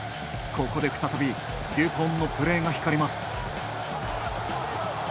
ここで再びデュポンのプレーが光ります。